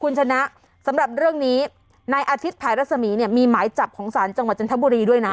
คุณชนะสำหรับเรื่องนี้นายอาทิตย์ภายรัศมีร์เนี่ยมีหมายจับของศาลจังหวัดจันทบุรีด้วยนะ